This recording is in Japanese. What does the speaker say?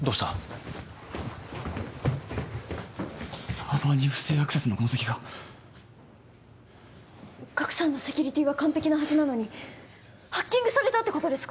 サーバーに不正アクセスの痕跡がガクさんのセキュリティーは完璧なはずなのにハッキングされたってことですか！？